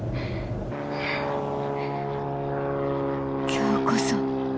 今日こそ。